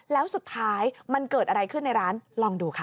แล้วสุดท้ายมันเกิดอะไรขึ้นในร้านลองดูค่ะ